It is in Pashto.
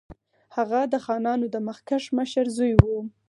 هغه د خانانو د مخکښ مشر زوی وو.